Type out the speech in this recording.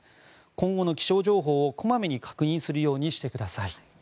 今後の気象情報を小まめに確認するようにしてください。